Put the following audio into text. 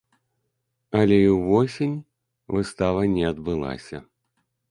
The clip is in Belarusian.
Але і ўвосень выстава не адбылася.